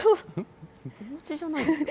お餅じゃないですかね。